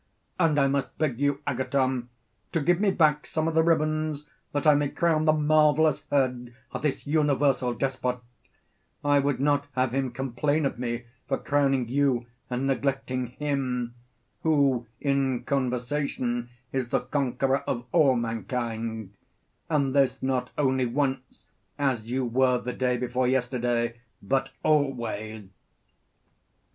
And I must beg you, Agathon, to give me back some of the ribands that I may crown the marvellous head of this universal despot I would not have him complain of me for crowning you, and neglecting him, who in conversation is the conqueror of all mankind; and this not only once, as you were the day before yesterday, but always.